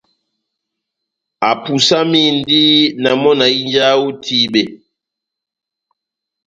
Apusamindi na mɔ́ na hínjaha ó itíbe.